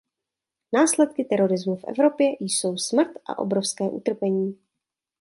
Následky terorismu v Evropě jsou smrt a obrovské utrpení.